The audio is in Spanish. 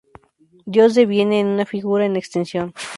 Dios deviene en una figura en extinción.